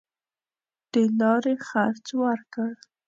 د لاري خرڅ ورکړ.